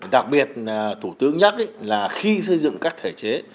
đặc biệt thủ tướng nhắc là khi xây dựng các thể chế